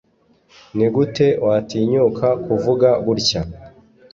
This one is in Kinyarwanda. nigute watinyuka kuvuga gutya